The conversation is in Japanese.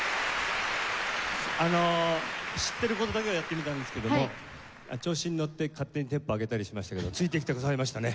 あの知っている事だけをやってみたんですけども調子に乗って勝手にテンポを上げたりしましたけどついてきてくださいましたね。